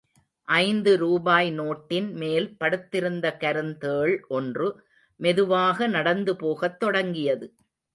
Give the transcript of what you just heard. ஐந்து ரூபாய் நோட்டின் மேல் படுத்திருந்த கருந்தேள் ஒன்று மெதுவாக நடந்து போகத் தொடங்கியது.